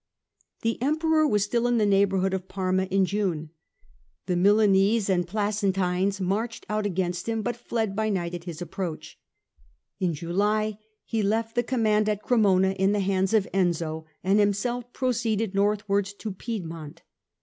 The Emperor was still in the neighbourhood of Parma in June. The Milanese and Placentines marched out against him but fled by night at his approach. In July he left the command at Cremona in the hands of Enzio and himself proceeded northwards to Piedmont.